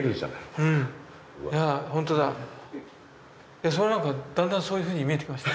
いやその何かだんだんそういうふうに見えてきました。